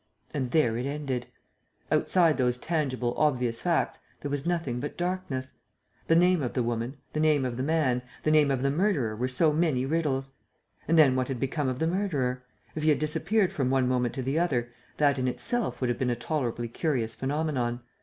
And there it ended. Outside those tangible, obvious facts there was nothing but darkness. The name of the woman, the name of the man, the name of the murderer were so many riddles. And then what had become of the murderer? If he had disappeared from one moment to the other, that in itself would have been a tolerably curious phenomenon.